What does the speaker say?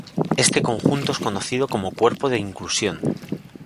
Este conjunto es conocido como cuerpo de inclusión.